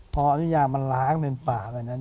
พออริยามันล้างเป็นป่า